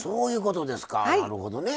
なるほどねえ。